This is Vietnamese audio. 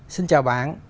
xin chào bạn